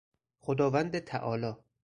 خداوند تعالی